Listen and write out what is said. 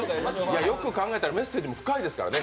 よく考えたら、メッセージも深いですからね。